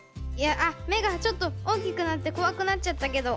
めがちょっとおおきくなってこわくなっちゃったけど。